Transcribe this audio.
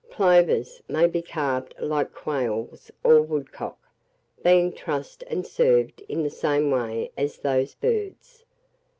PLOVERS may be carved like Quails or Woodcock, being trussed and served in the same way as those birds.